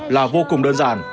là vô cùng đơn giản